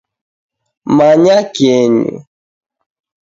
Manya kenyu